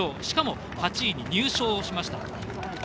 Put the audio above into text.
しかも８位に入賞しました。